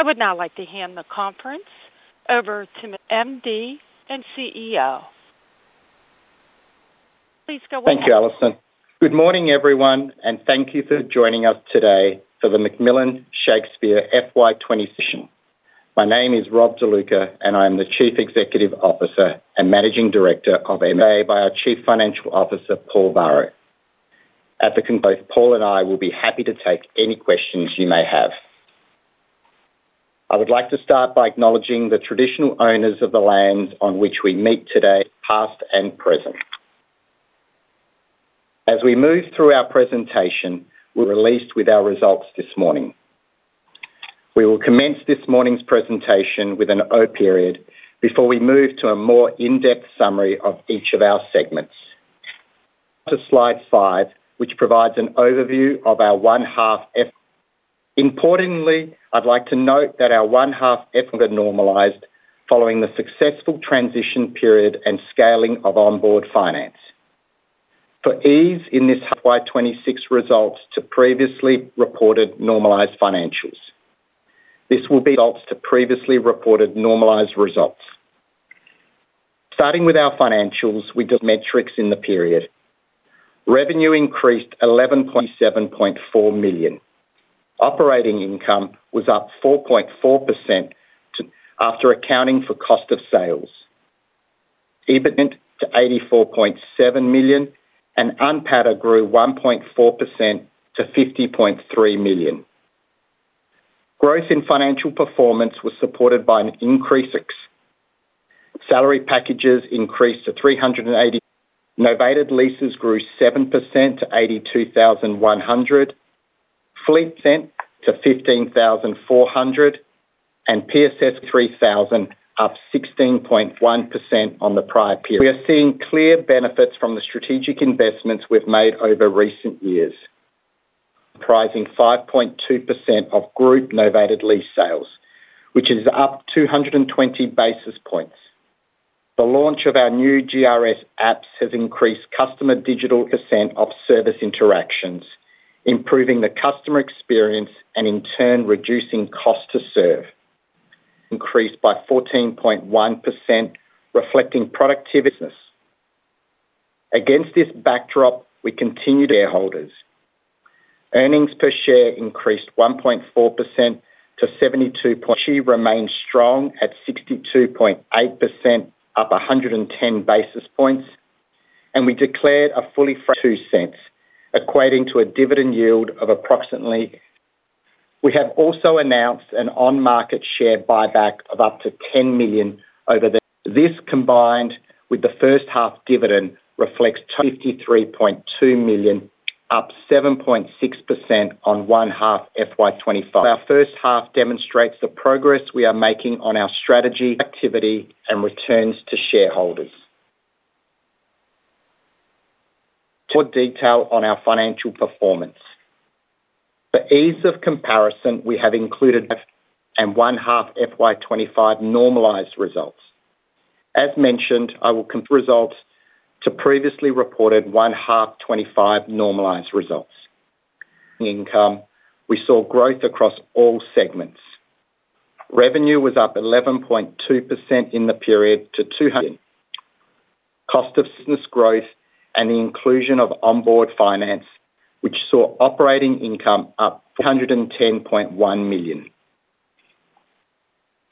I would now like to hand the conference over to MD and CEO. Please go ahead. Thank you, Allison. Good morning, everyone, and thank you for joining us today for the McMillan Shakespeare FY 2020 session. My name is Rob De Luca, and I'm the Chief Executive Officer and Managing Director of MMS, by our Chief Financial Officer, Paul Varro. At the both, Paul and I will be happy to take any questions you may have. I would like to start by acknowledging the traditional owners of the land on which we meet today, past and present. As we move through our presentation, we're released with our results this morning. We will commence this morning's presentation with an O period before we move to a more in-depth summary of each of our segments. To Slide 5, which provides an overview of our 1H FY. Importantly, I'd like to note that our 1H effort got normalized following the successful transition period and scaling of Onboard Finance. For ease in this high 26 results to previously reported normalized financials, this will be to previously reported normalized results. Starting with our financials, we did metrics in the period. Revenue increased 11.74 million. Operating income was up 4.4% to, after accounting for cost of sales. EBIT to 84.7 million, and UNPATA grew 1.4% to 50.3 million. Growth in financial performance was supported by an salary packages increased to 380. Novated leases grew 7% to 82,100. Fleet sent to 15,400, and PSS 3,000, up 16.1% on the prior period. We are seeing clear benefits from the strategic investments we've made over recent years, comprising 5.2% of group novated lease sales, which is up 220 basis points. The launch of our new GRS apps has increased customer digital % of service interactions, improving the customer experience and in turn reducing cost to serve. Increased by 14.1%, reflecting productivity. Against this backdrop, we continue to shareholders. Earnings per share increased 1.4% to 72 point. She remains strong at 62.8%, up 110 basis points, and we declared a fully 0.02, equating to a dividend yield of approximately. We have also announced an on-market share buyback of up to 10 million over this, combined with the first half dividend, reflects 53.2 million, up 7.6% on one-half FY 2025. Our first half demonstrates the progress we are making on our strategy, activity, and returns to shareholders. To detail on our financial performance. For ease of comparison, we have included 1H FY 2025 normalized results. As mentioned, I will compare results to previously reported 1H FY 2025 normalized results. Income, we saw growth across all segments. Revenue was up 11.2% in the period to 200. Cost of business growth and the inclusion of Onboard Finance, which saw operating income up 110.1 million.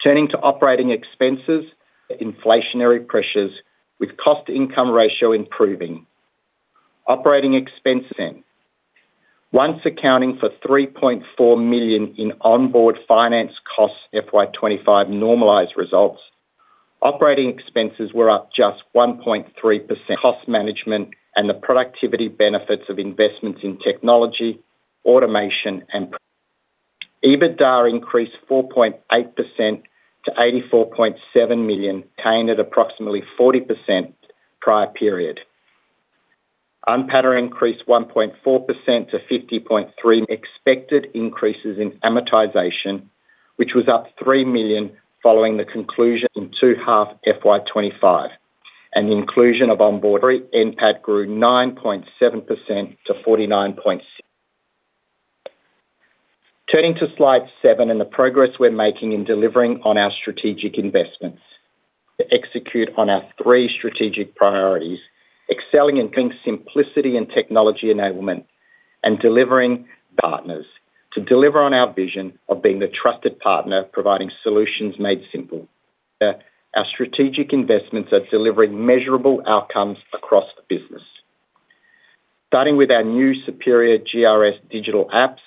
Turning to operating expenses, inflationary pressures, with cost-to-income ratio improving. Operating expenses. Once accounting for 3.4 million in Onboard Finance costs, FY 2025 normalized results, operating expenses were up just 1.3%. Cost management and the productivity benefits of investments in technology, automation, and... EBITDA increased 4.8% to 84.7 million, gained at approximately 40% prior period. UNPATA increased 1.4% to 50.3 million. Expected increases in amortization, which was up 3 million following the conclusion in 2H FY 2025, and the inclusion of onboard NPAT grew 9.7% to 49 point. Turning to slide 7 and the progress we're making in delivering on our strategic investments. To execute on our 3 strategic priorities, excelling in things simplicity and technology enablement, and delivering partners. To deliver on our vision of being the trusted partner, providing solutions made simple. Our strategic investments are delivering measurable outcomes across the business. Starting with our new superior GRS digital apps,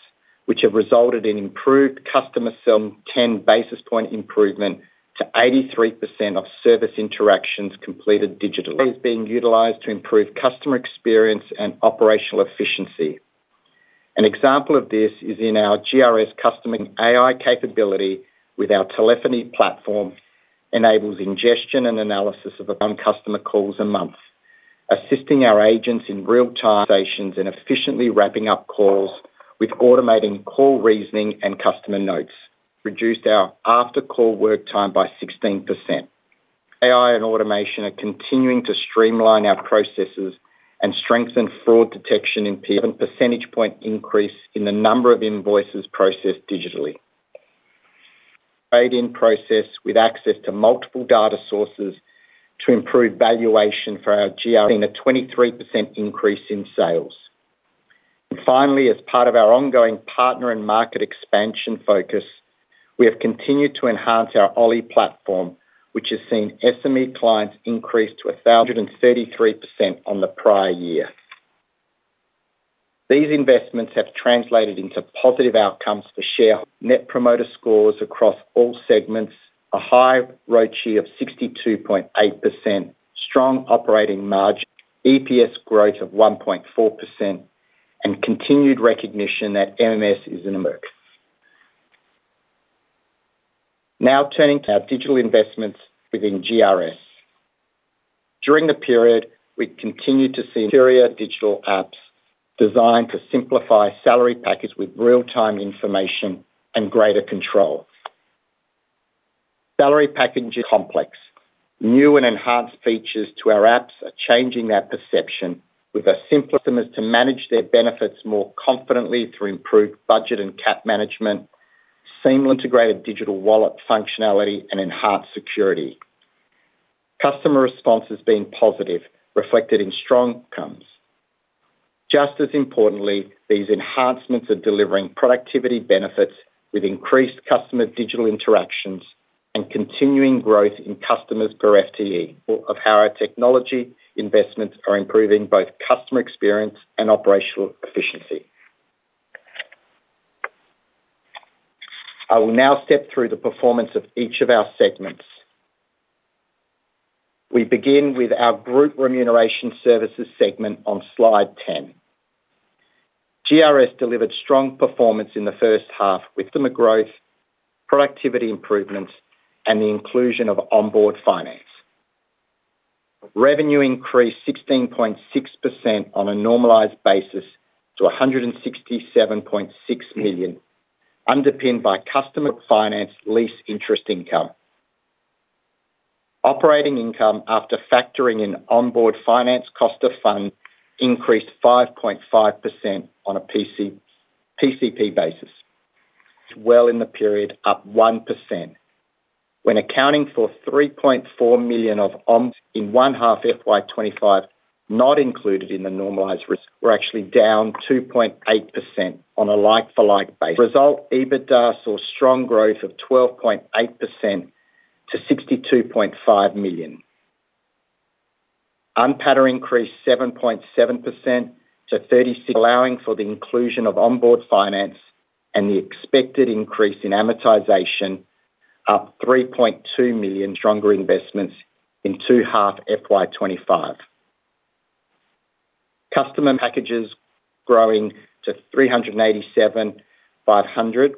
which have resulted in improved customer some 10 basis point improvement to 83% of service interactions completed digitally. Is being utilized to improve customer experience and operational efficiency. An example of this is in our GRS customer AI capability with our telephony platform, enables ingestion and analysis of the customer calls a month, assisting our agents in real-time stations and efficiently wrapping up calls with automating call reasoning and customer notes. Reduced our after-call work time by 16%. AI and automation are continuing to streamline our processes and strengthen fraud detection in percentage point increase in the number of invoices processed digitally. Trade-in process with access to multiple data sources to improve valuation for our GI, and a 23% increase in sales. Finally, as part of our ongoing partner and market expansion focus, we have continued to enhance our Oly platform, which has seen SME clients increase to 1,033% on the prior year. These investments have translated into positive outcomes for Net Promoter Scores across all segments, a high ROCE of 62.8%, strong operating margin, EPS growth of 1.4%, and continued recognition that MMS is in America. Now, turning to our digital investments within GRS. During the period, we continued to see superior digital apps designed to simplify salary package with real-time information and greater control. Salary packaging complex. New and enhanced features to our apps are changing that perception, with our simplest to manage their benefits more confidently through improved budget and cap management, seamless integrated digital wallet functionality, and enhanced security. Customer response has been positive, reflected in strong outcomes. Just as importantly, these enhancements are delivering productivity benefits with increased customer digital interactions and continuing growth in customers per FTE, of how our technology investments are improving both customer experience and operational efficiency. I will now step through the performance of each of our segments. We begin with our Group Remuneration Services segment on slide 10. GRS delivered strong performance in the first half with customer growth, productivity improvements, and the inclusion of Onboard Finance. Revenue increased 16.6% on a normalized basis to $167.6 million, underpinned by customer finance lease interest income. Operating income, after factoring in Onboard Finance cost of funding, increased 5.5% on a PCP basis. Well in the period, up 1%. When accounting for $3.4 million of OMG in 1H FY 2025, not included in the normalized risk, we're actually down 2.8% on a like-for-like basis. Result, EBITDA saw strong growth of 12.8% to $62.5 million. UNPATA increased 7.7% to 36, allowing for the inclusion of Onboard Finance and the expected increase in amortization, up 3.2 million, stronger investments in 2H FY 2025. Customer packages growing to 387,500,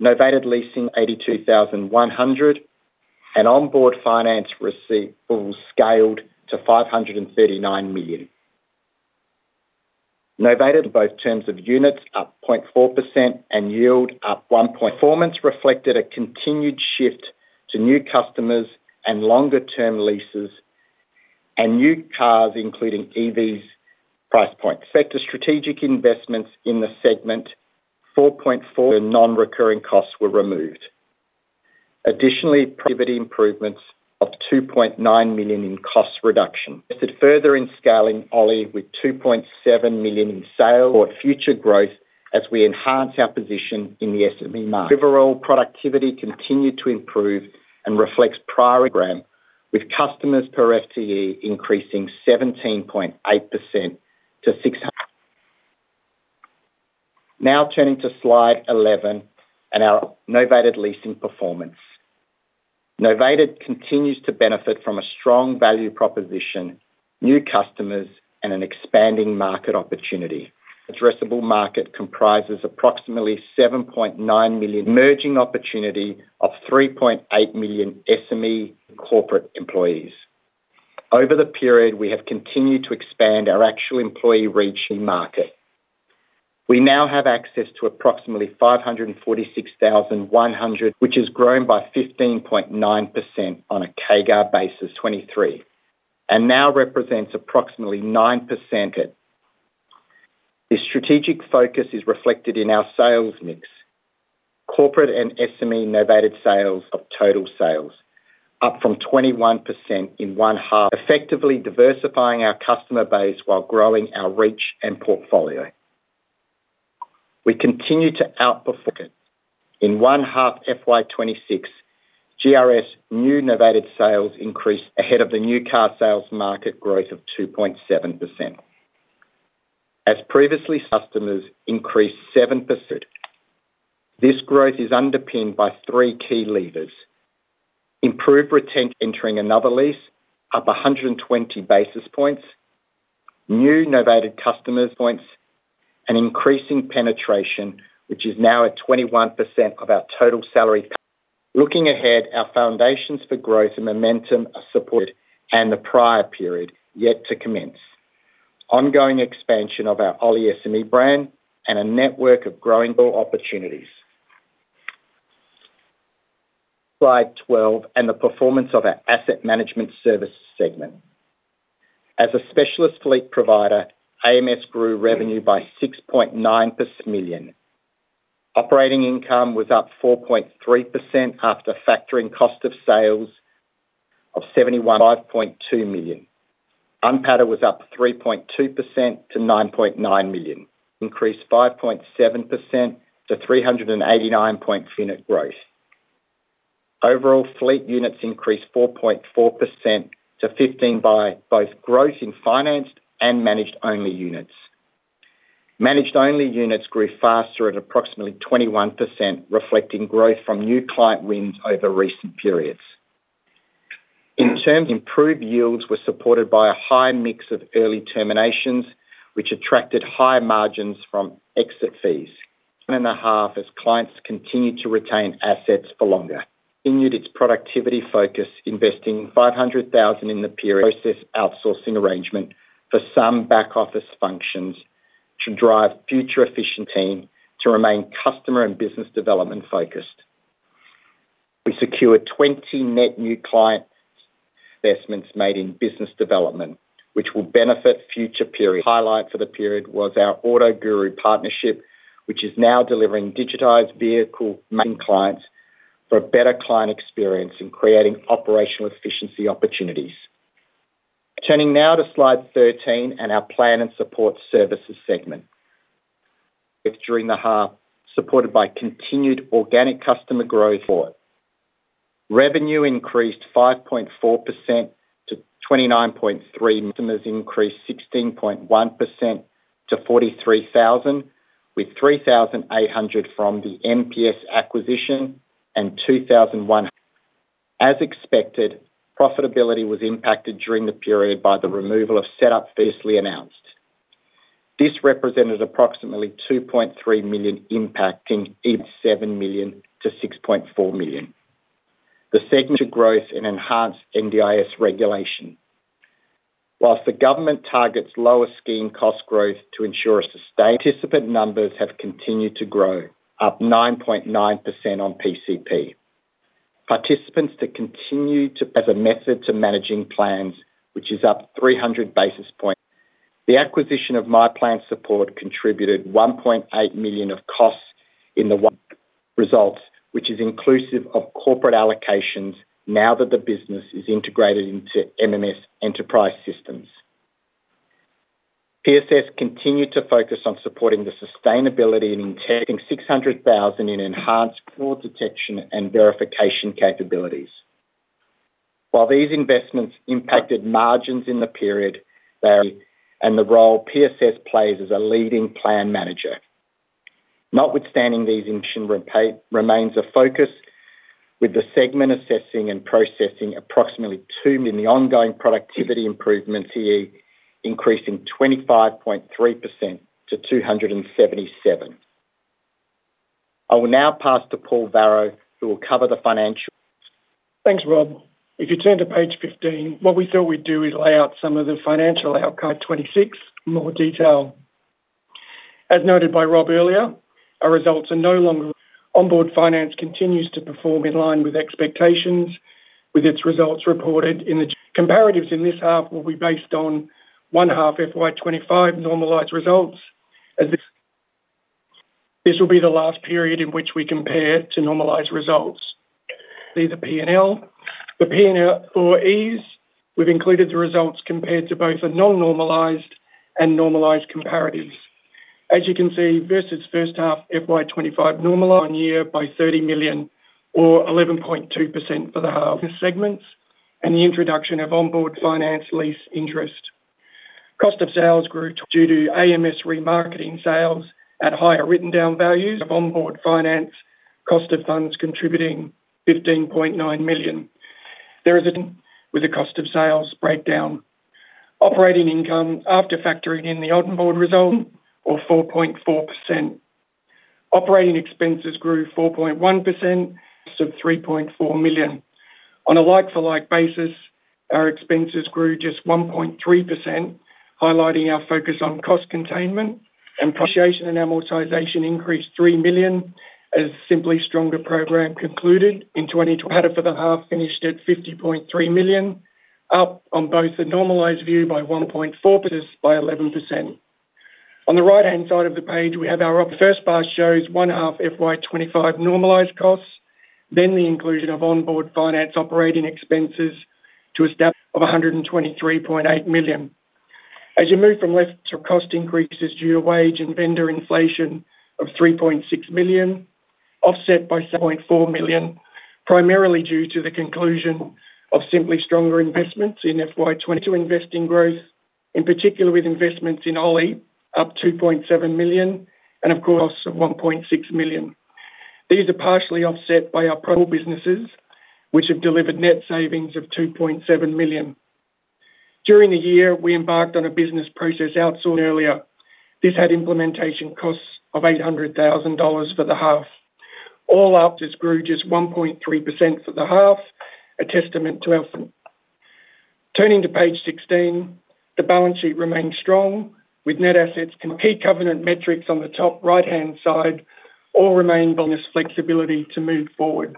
novated leasing 82,100, and Onboard Finance receivables scaled to 539 million. Novated both terms of units up 0.4% and yield up 1 point. Performance reflected a continued shift to new customers and longer-term leases and new cars, including EVs, price point. Sector strategic investments in the segment, 4.4 million in non-recurring costs were removed. Productivity improvements of 2.9 million in cost reduction. Invested further in scaling Oly with 2.7 million in sales for future growth as we enhance our position in the SME market. Overall, productivity continued to improve and reflects prior program, with customers per FTE increasing 17.8% to 600. Now, turning to slide 11 and our novated leasing performance. Novated continues to benefit from a strong value proposition, new customers, and an expanding market opportunity. Addressable market comprises approximately 7.9 million, emerging opportunity of 3.8 million SME corporate employees. Over the period, we have continued to expand our actual employee reach in market. We now have access to approximately 546,100, which has grown by 15.9% on a CAGR basis, 2023, and now represents approximately 9%. The strategic focus is reflected in our sales mix. Corporate and SME novated sales of total sales up from 21% in one half, effectively diversifying our customer base while growing our reach and portfolio. We continue to outperform. In 1H FY 2026, GRS new novated sales increased ahead of the new car sales market growth of 2.7%. As previously, customers increased 7%. This growth is underpinned by three key levers: improved retention, entering another lease up 120 basis points, new novated customers points, and increasing penetration, which is now at 21% of our total salary. Looking ahead, our foundations for growth and momentum are supported, and the prior period yet to commence. Ongoing expansion of our Oly SME brand and a network of growing opportunities. Slide 12, the performance of our Asset Management Services segment. As a specialist fleet provider, AMS grew revenue by 6.9 million. Operating income was up 4.3% after factoring cost of sales of 715.2 million. UNPATA was up 3.2% to 9.9 million, increased 5.7% to 389 point net growth. Overall, fleet units increased 4.4% to 15 by both growth in financed and managed only units. Managed only units grew faster at approximately 21%, reflecting growth from new client wins over recent periods. In terms, improved yields were supported by a high mix of early terminations, which attracted high margins from exit fees. Two and a half as clients continued to retain assets for longer. Continued its productivity focus, investing 500,000 in the period outsourcing arrangement for some back-office functions to drive future efficient team to remain customer and business development focused. We secured 20 net new clients, investments made in business development, which will benefit future periods. Highlight for the period was our AutoGuru partnership, which is now delivering digitized vehicle making clients for a better client experience in creating operational efficiency opportunities. Turning now to slide 13 and our Plan and Support Services segment. During the half, supported by continued organic customer growth for it. Revenue increased 5.4% to 29.3 million. Customers increased 16.1% to 43,000, with 3,800 from the MPS acquisition and 2,001... As expected, profitability was impacted during the period by the removal of setup fiercely announced. This represented approximately 2.3 million, impacting 8.7 million to 6.4 million. The segment to growth and enhanced NDIS regulation. Whilst The government targets lower scheme cost growth to ensure a sustained... Participant numbers have continued to grow, up 9.9% on PCP. Participants to continue to as a method to managing plans, which is up 300 basis points. The acquisition of My Plan Support contributed 1.8 million of costs in the one results, which is inclusive of corporate allocations now that the business is integrated into MMS enterprise systems. PSS continued to focus on supporting the sustainability and taking 600,000 in enhanced fraud detection and verification capabilities. While these investments impacted margins in the period, and the role PSS plays as a leading plan manager. Notwithstanding these, inflation repair remains a focus, with the segment assessing and processing approximately 2 million in the ongoing productivity improvement, CE increasing 25.3% to 277. I will now pass to Paul Varro, who will cover the financial. Thanks, Rob. If you turn to page 15, what we thought we'd do is lay out some of the financial outcome, 2026, in more detail. As noted by Rob earlier, our results are no longer... Onboard Finance continues to perform in line with expectations, with its results reported in the... Comparatives in this half will be based on one half FY 2025 normalized results. As this will be the last period in which we compare to normalized results. These are PNL. The PNL for Es, we've included the results compared to both a non-normalized and normalized comparatives. As you can see, versus first half, FY 2025 normalized on year by 30 million or 11.2% for the half. The segments and the introduction of Onboard Finance lease interest. Cost of sales grew to due to AMS remarketing sales at higher written down values of Onboard Finance, cost of funds contributing 15.9 million. With a cost of sales breakdown. Operating income, after factoring in the Onboard result or 4.4%. Operating expenses grew 4.1% to 3.4 million. On a like-for-like basis, our expenses grew just 1.3%, highlighting our focus on cost containment and Depreciation and Amortization increased 3 million as Simply Stronger program concluded in 20 for the half, finished at 50.3 million, up on both the normalized view by 1.4%, but is by 11%. On the right-hand side of the page, we have our first bar shows 1H FY 2025 normalized costs, then the inclusion of Onboard Finance operating expenses to a step of 123.8 million. As you move from left to cost increases due to wage and vendor inflation of 3.6 million, offset by 0.4 million, primarily due to the conclusion of Simply Stronger investments in FY 2020. To investing growth, in particular with investments in Oly, up 2.7 million, and of course, 1.6 million. These are partially offset by our pro businesses, which have delivered net savings of 2.7 million. During the year, we embarked on a business process outsourcing earlier. This had implementation costs of 800,000 dollars for the half. All ops, this grew just 1.3% for the half, a testament to our-... Turning to page 16, the balance sheet remains strong, with net assets and key covenant metrics on the top right-hand side all remain bonus flexibility to move forward.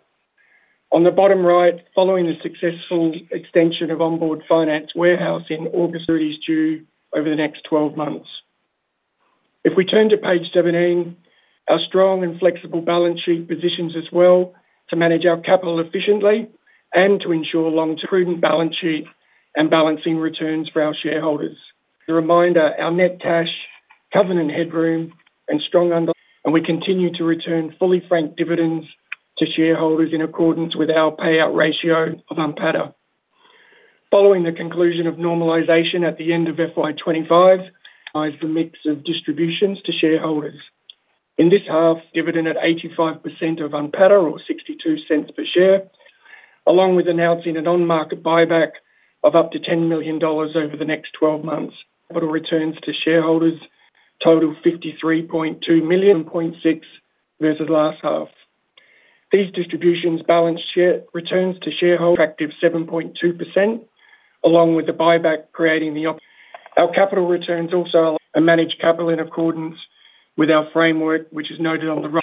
On the bottom right, following the successful extension of Onboard Finance warehouse in August, 30 is due over the next 12 months. If we turn to page 17, our strong and flexible balance sheet positions as well to manage our capital efficiently and to ensure long-term prudent balance sheet and balancing returns for our shareholders. As a reminder, our net cash, covenant headroom, and strong under- We continue to return fully franked dividends to shareholders in accordance with our payout ratio of UNPATA. Following the conclusion of normalization at the end of FY 2025, is the mix of distributions to shareholders. In this half, dividend at 85% of UNPATA or 0.62 per share, along with announcing an on-market buyback of up to 10 million dollars over the next 12 months. Total returns to shareholders total 53.2 million, 0.6 versus last half. These distributions balance share returns to shareholders, effective 7.2%, along with the buyback. Our capital returns also are managed capital in accordance with our framework, which is noted on the right.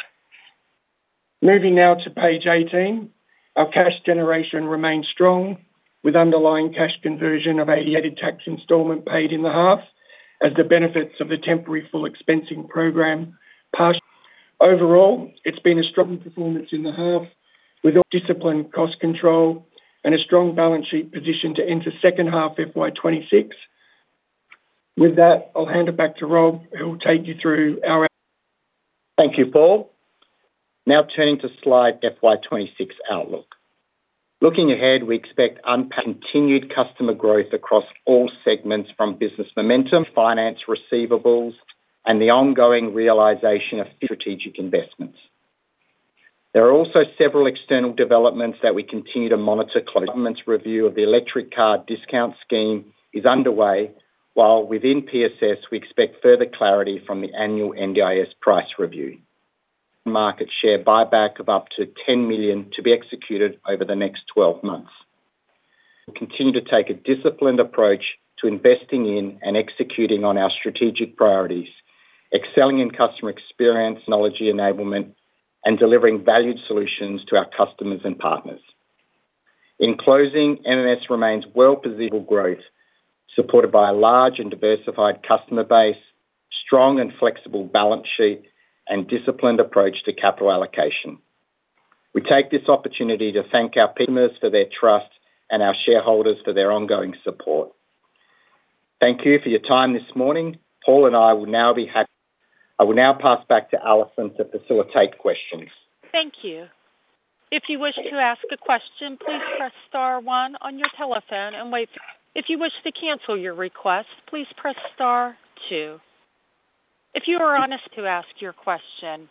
Moving now to page 18. Our cash generation remains strong, with underlying cash conversion of 88% tax installment paid in the half as the benefits of the temporary full expensing program partial. Overall, it's been a strong performance in the half, with discipline, cost control, and a strong balance sheet position to enter second half FY 2026. With that, I'll hand it back to Rob, who will take you through our- Thank you, Paul. Now turning to slide FY 2026 outlook. Looking ahead, we expect uncontinued customer growth across all segments from business momentum, finance receivables, and the ongoing realization of strategic investments. There are also several external developments that we continue to monitor. The government's review of the Electric Car Discount scheme is underway, while within PSS, we expect further clarity from the annual NDIS price review. Market share buyback of up to 10 million to be executed over the next 12 months. We continue to take a disciplined approach to investing in and executing on our strategic priorities, excelling in customer experience, technology enablement, and delivering valued solutions to our customers and partners. In closing, MMS remains well-positioned for growth, supported by a large and diversified customer base, strong and flexible balance sheet, and disciplined approach to capital allocation. We take this opportunity to thank our partners for their trust and our shareholders for their ongoing support. Thank you for your time this morning. Paul and I will now be happy... I will now pass back to Allison to facilitate questions. Thank you. If you wish to ask a question, please press star one on your telephone and wait. If you wish to cancel your request, please press star two. If you are on us to ask your question.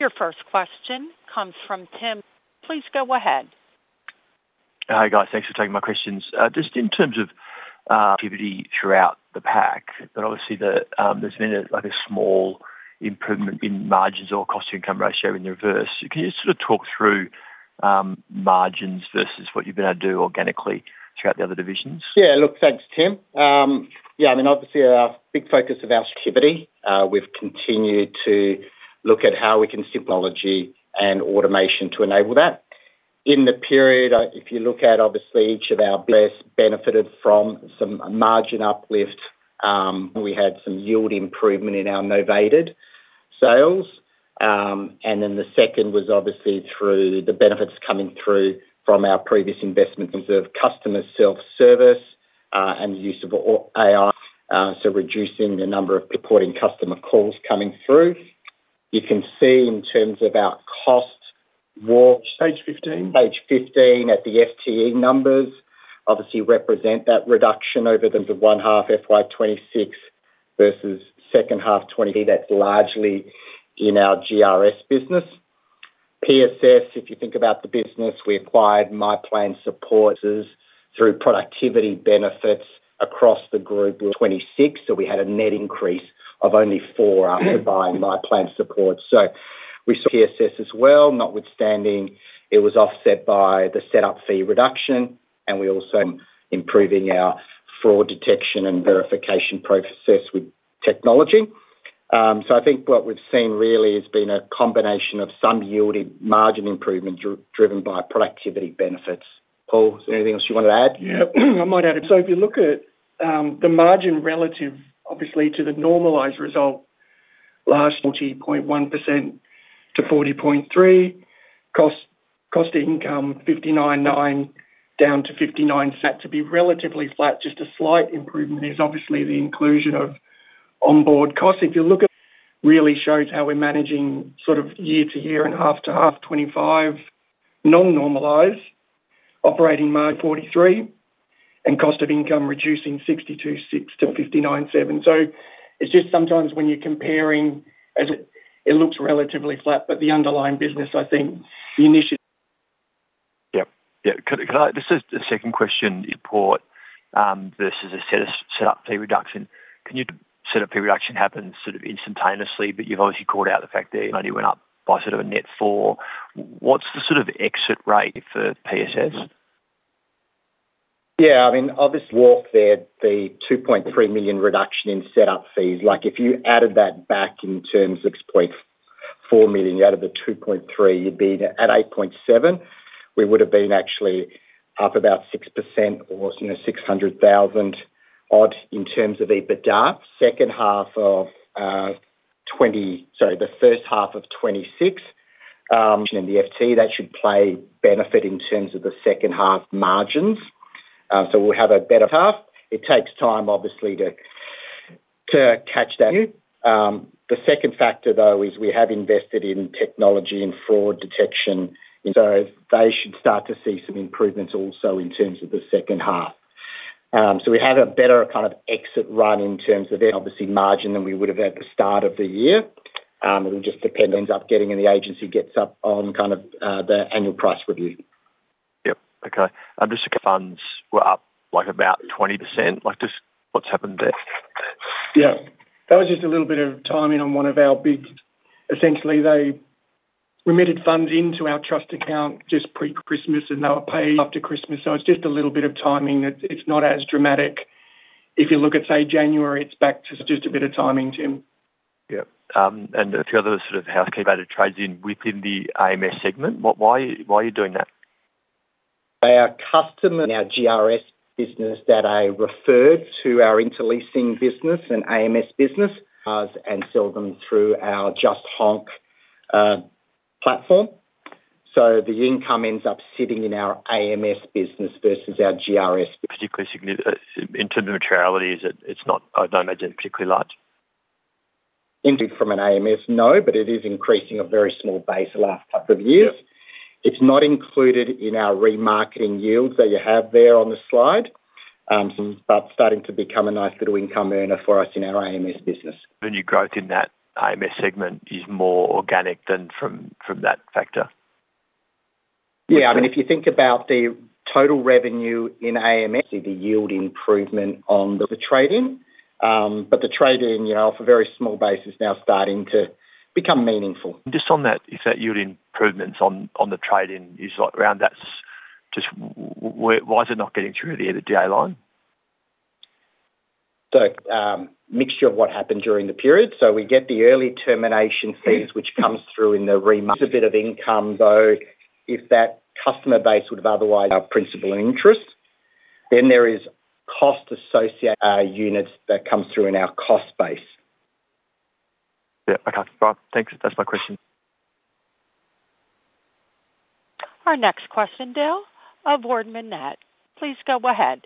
Your first question comes from Tim. Please go ahead. Hi, guys. Thanks for taking my questions. Just in terms of activity throughout the pack, but obviously, the, there's been a, like a small improvement in margins or cost to income ratio in the reverse. Can you sort of talk through margins versus what you've been able to do organically throughout the other divisions? Look, thanks, Tim. I mean, our big focus of our activity, we've continued to look at how we can technology and automation to enable that. In the period, if you look at each of our benefits, benefited from some margin uplift, we had some yield improvement in our novated sales. The second was through the benefits coming through from our previous investments of customer self-service, and use of AI. So reducing the number of supporting customer calls coming through. You can see in terms of our cost war- Page 15. Page 15, at the FTE numbers, obviously represent that reduction over them to 1H FY 202026 versus 2H 2020. That's largely in our GRS business. PSS, if you think about the business, we acquired My Plan Support through productivity benefits across the group in 2026, so we had a net increase of only four after buying My Plan Support. So we PSS as well, notwithstanding, it was offset by the setup fee reduction, and we're also improving our fraud detection and verification process with technology. So I think what we've seen really has been a combination of some yield in margin improvements driven by productivity benefits. Paul, is there anything else you want to add? I might add. If you look at the margin relative, obviously, to the normalized result, last 40.1% to 40.3%. Cost, cost to income, 59.9% down to 59%. That to be relatively flat, just a slight improvement, is obviously the inclusion of Onboard costs. If you look at, really shows how we're managing sort of year to year and half to half 25, non-normalized operating May 43%, and cost of income reducing 62.6% to 59.7%. It's just sometimes when you're comparing, it looks relatively flat, but the underlying business, I think the initiative- Yep. Yeah. This is the second question, Paul. Versus setup fee reduction. Setup fee reduction happens sort of instantaneously, but you've obviously called out the fact that money went up by sort of a net 4. What's the sort of exit rate for PSS? Yeah, I mean, obviously walked there, the 2.3 million reduction in setup fees, like, if you added that back in terms of 0.4 million, you added the 2.3 million, you'd be at 8.7 million. We would have been actually up about 6% or, you know, 600,000 odd in terms of EBITDA. The first half of 2026, in the FT, that should play benefit in terms of the second half margins. We'll have a better half. It takes time, obviously, to catch that. The second factor, though, is we have invested in technology and fraud detection, so they should start to see some improvements also in terms of the second half. We have a better kind of exit run in terms of obviously margin than we would have at the start of the year. It will just depend, ends up getting in the agency, gets up on kind of, the Annual Pricing Review. Yep. Okay. Just the funds were up, like, about 20%. Like, just what's happened there? Yeah, that was just a little bit of timing on one of our bids. Essentially, they remitted funds into our trust account, just pre-Christmas, and they were paying after Christmas, so it's just a little bit of timing. It's not as dramatic. If you look at, say, January, it's back to just a bit of timing, Tim. Yep. A few other sort of housekeeping trades in within the AMS segment. What, why, why are you doing that? They are customers in our GRS business that I referred to our Interleasing business and AMS business, and sell them through our Just Honk platform. The income ends up sitting in our AMS business versus our GRS. Particularly in terms of materialities, it, it's not, I don't imagine, particularly large. From an AMS, no, but it is increasing a very small base the last couple of years. Yep. It's not included in our remarketing yields that you have there on the slide. Starting to become a nice little income earner for us in our AMS business. The new growth in that AMS segment is more organic than from, from that factor? Yeah, I mean, if you think about the total revenue in AMS, the yield improvement on the trading. The trading, you know, off a very small base, is now starting to become meaningful. Just on that, if that yield improvements on, on the trade-in is, like, around, that's just... Why is it not getting through the end of day line? Mixture of what happened during the period. We get the early termination fees, which comes through in the rema-- It's a bit of income, though, if that customer base would have otherwise our principal interest, there is cost associated, units that comes through in our cost base. Yeah. Okay, fine. Thanks. That's my question. Our next question now, of Ward Manette. Please go ahead.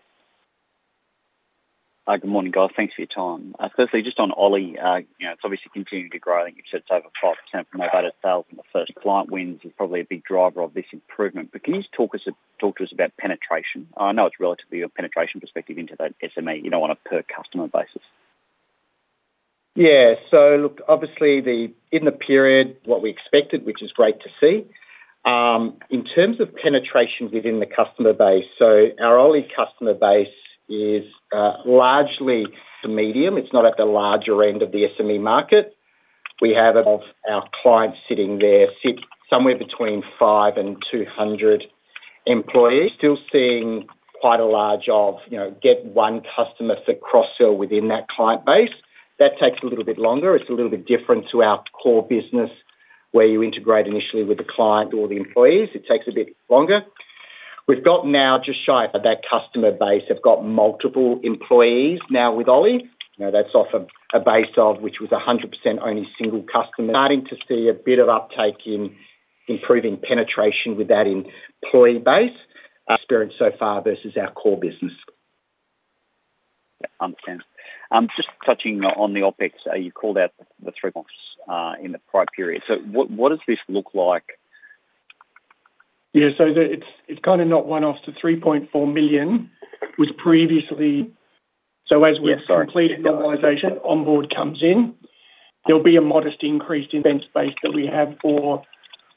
Good morning, guys. Thanks for your time. Firstly, just on Oly, you know, it's obviously continuing to grow. I think it's over 5% from about 1,000. The first client wins is probably a big driver of this improvement, but can you just talk us, talk to us about penetration? I know it's relatively a penetration perspective into the SME, you know, on a per-customer basis. Yeah. Look, obviously, the, in the period, what we expected, which is great to see. In terms of penetration within the customer base, our Oly customer base is largely the medium. It's not at the larger end of the SME market. We have of our clients sitting there, sit somewhere between 5 and 200 employees. We're still seeing quite a large of, you know, get one customer to cross-sell within that client base. That takes a little bit longer. It's a little bit different to our core business, where you integrate initially with the client or the employees. It takes a bit longer. We've got now just shy of that customer base, have got multiple employees now with Oly. You know, that's off of a base of which was 100% only single customer. Starting to see a bit of uptake in improving penetration with that employee base, experience so far versus our core business. Yeah, understands. Just touching on the OpEx, you called out the three months in the prior period. What, what does this look like? Yeah, the, it's, it's kind of not one off to 3.4 million, was previously. As we've completed the organization, Onboard Finance comes in. There'll be a modest increase in event space that we have for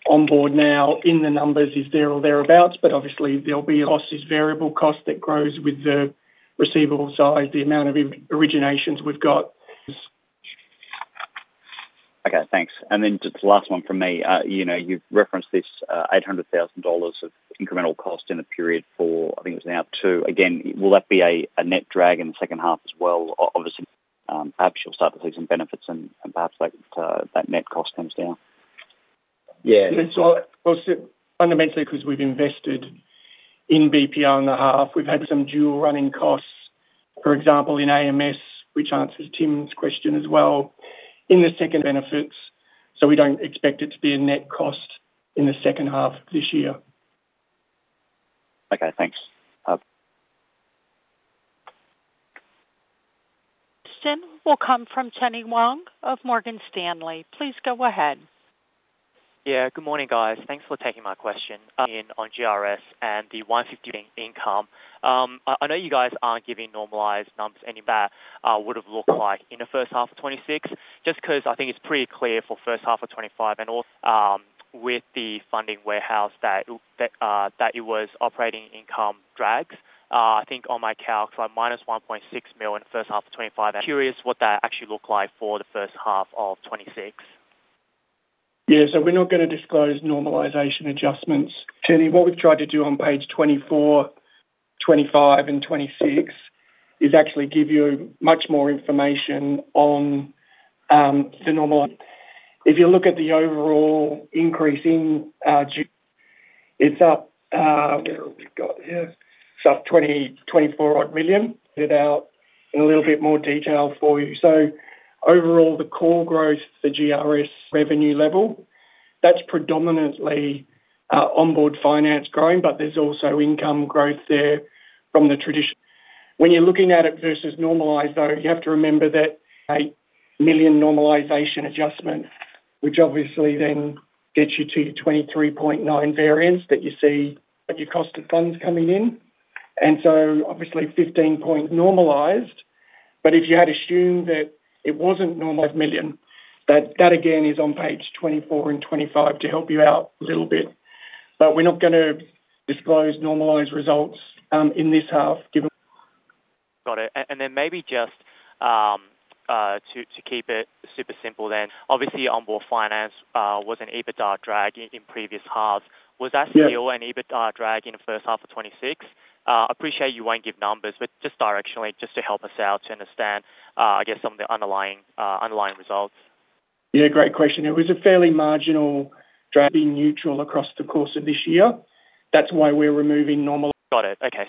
Onboard Finance now in the numbers is there or thereabout, but obviously, there'll be losses, variable costs that grows with the receivable size, the amount of originations we've got. Okay, thanks. Then just the last one from me. You know, you've referenced this 800,000 dollars of incremental cost in the period for, I think, it was now two. Again, will that be a net drag in the second half as well? Obviously, perhaps you'll start to see some benefits and, and perhaps that net cost comes down. Yeah. Well, fundamentally, because we've invested in BPR in the half, we've had some dual running costs. For example, in AMS, which answers Tim's question as well. In the second benefits, so we don't expect it to be a net cost in the second half of this year. Okay, thanks. Next will come from Chenny Wang of Morgan Stanley. Please go ahead. Yeah, good morning, guys. Thanks for taking my question in on GRS and the 150 income. I, I know you guys aren't giving normalized numbers, any that would have looked like in the first half of 2026, just because I think it's pretty clear for the first half of 2025 and also, with the funding warehouse that, that it was operating income drags. I think on my calc, like minus 1.6 million in the first half of 2025. I'm curious what that actually looked like for the first half of 2026. Yeah. So we're not going to disclose normalization adjustments. Jenny, what we've tried to do on page 24, 25, and 26 is actually give you much more information on the normal. If you look at the overall increase in, it's up, we've got, yeah, it's up 20 million, 24 odd million without a little bit more detail for you. Overall, the core growth, the GRS revenue level, that's predominantly Onboard Finance growing, but there's also income growth there from the tradition. When you're looking at it versus normalized, though, you have to remember that 8 million normalization adjustment, which obviously then gets you to your 23.9 variance that you see, like your cost of funds coming in. Obviously, 15 point normalized. If you had assumed that it wasn't normalized million, that again is on page 24 and 25 to help you out a little bit. We're not going to disclose normalized results in this half, given. Got it. Then maybe just, to, to keep it super simple, then. Obviously, Onboard Finance, was an EBITDA drag in, in previous halves. Yeah. Was that still an EBITDA drag in the first half of 2026? I appreciate you won't give numbers, but just directionally, just to help us out to understand, I guess, some of the underlying, underlying results. Yeah, great question. It was a fairly marginal drag, being neutral across the course of this year. That's why we're removing normal- Got it. Okay.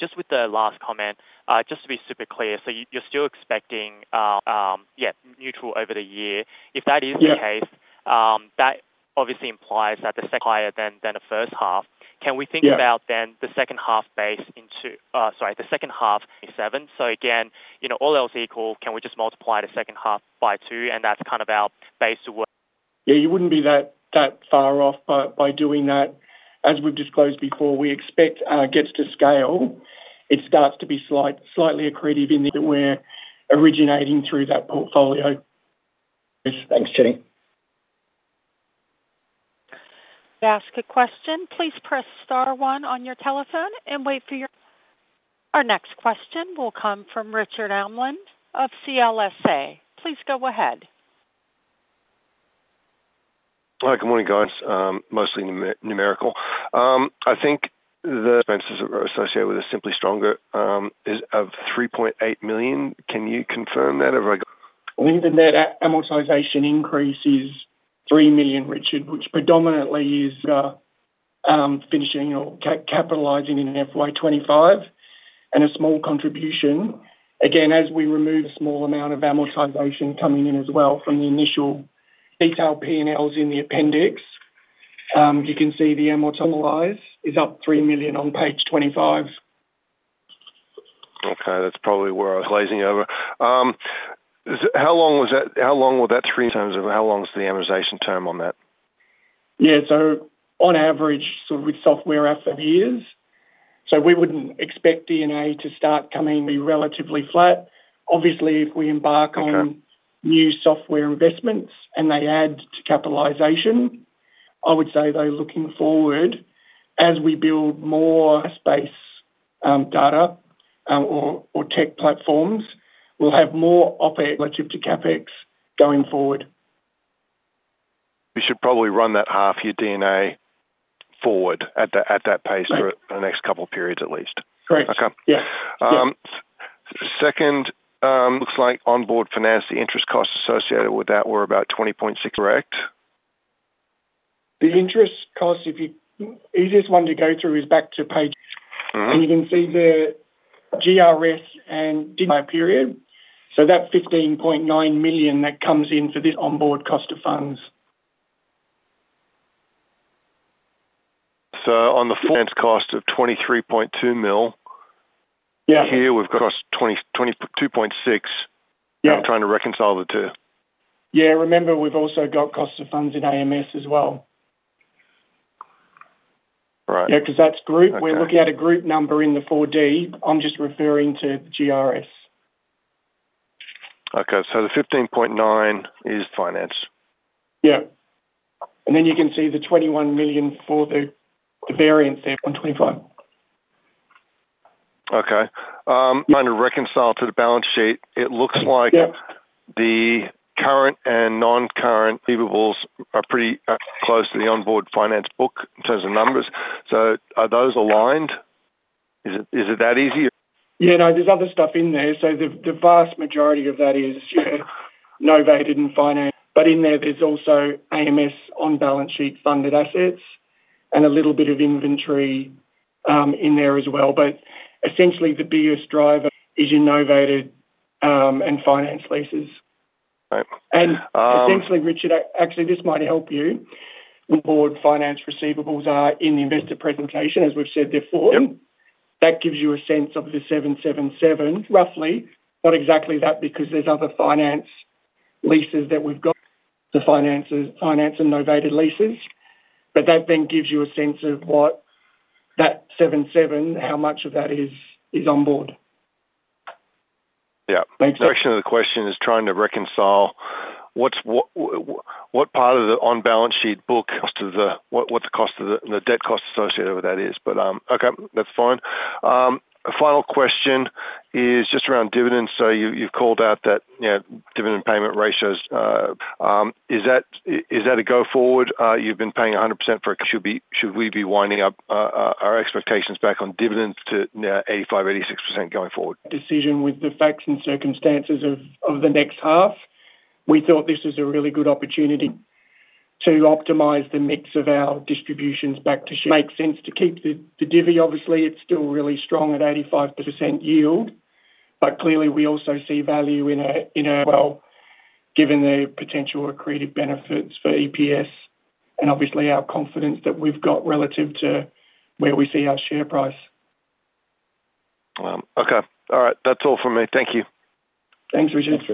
Just with the last comment, just to be super clear, you, you're still expecting, yeah, neutral over the year? Yeah. If that is the case, that obviously implies that the sec higher than, than the first half. Yeah. Can we think about then the second half base in 2, sorry, the second half, 87? Again, you know, all else equal, can we just multiply the second half by 2, and that's kind of our base to work? Yeah, you wouldn't be that, that far off by, by doing that. As we've disclosed before, we expect, gets to scale. It starts to be slight, slightly accretive in that we're originating through that portfolio. Thanks, Jenny. Ask a question, please press star one on your telephone and wait for your... Our next question will come from Richard Amlin of CLSA. Please go ahead. Hi, good morning, guys. Mostly numerical. I think the expenses that are associated with a Simply Stronger is of 3.8 million. Can you confirm that? Well, the net amortization increase is 3 million, Richard, which predominantly is finishing or capitalizing in an FY 2025 and a small contribution. Again, as we remove a small amount of amortization coming in as well from the initial detailed P&Ls in the appendix. You can see the amortize is up 3 million on page 25. Okay, that's probably where I was glazing over. Is, how long was that, how long will that 3 in terms of how long is the amortization term on that? On average, so with software app of years. We wouldn't expect D&A to start coming be relatively flat. Obviously, if we embark on- Okay... new software investments and they add to capitalization, I would say, though, looking forward, as we build more space, data, or, or tech platforms, we'll have more OpEx like to CapEx going forward. We should probably run that half-year D&A forward at that, at that pace. Right For the next couple of periods at least. Great. Okay. Yeah. Yeah. Second, looks like Onboard Finance, the interest costs associated with that were about 20.6, correct? The interest cost, if you, easiest one to go through is back to page. Mm-hmm. You can see the GRS and MPS. That's 15.9 million that comes in for this Onboard cost of funds. On the finance cost of 23.2 million. Yeah. Here, we've got 20, 22.6. Yeah. I'm trying to reconcile the two. Yeah, remember, we've also got costs of funds in AMS as well. Right. Yeah, 'cause that's Group. Okay. We're looking at a group number in the 4D. I'm just referring to GRS. Okay, the 15.9 is finance? Yeah. Then you can see the 21 million for the variance there on 25. Trying to reconcile to the balance sheet, it looks like- Yeah... the current and non-current receivables are pretty close to the Onboard Finance book in terms of numbers. Are those aligned? Is it, is it that easy? Yeah, no, there's other stuff in there. The, the vast majority of that is, yeah, novated and finance. In there, there's also AMS on-balance sheet funded assets and a little bit of inventory, in there as well. Essentially, the biggest driver is your novated, and finance leases. Right. Essentially, Richard, actually, this might help you. Onboard Finance receivables are in the investor presentation, as we've said before. Yep. That gives you a sense of the 777, roughly. Not exactly that, because there's other finance leases that we've got, the finances, finance and novated leases. That then gives you a sense of what that 77, how much of that is, is on board. Yeah. Thanks. Section of the question is trying to reconcile what's, what, what part of the on-balance sheet book as to the, what, what the cost of the, the debt cost associated with that is. Okay, that's fine. Final question is just around dividends. You, you've called out that, you know, dividend payment ratios, is that, is that a go-forward? You've been paying 100% for... Should we, should we be winding up, our expectations back on dividends to now 85%-86% going forward? Decision with the facts and circumstances of, of the next half. We thought this was a really good opportunity to optimize the mix of our distributions back to share. Makes sense to keep the, the divvy, obviously, it's still really strong at 85% yield, but clearly, we also see value in a, in a well, given the potential accretive benefits for EPS and obviously our confidence that we've got relative to where we see our share price. Okay. All right. That's all from me. Thank you. Thanks, Richard.